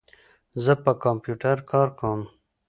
زه په کمپیوټر کار کوم.